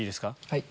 はい。